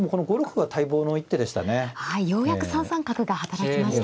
はいようやく３三角が働きました。